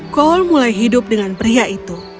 cole mulai hidup dengan pria itu